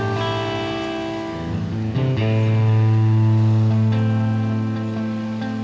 abah mau minta siapa ga programa ideas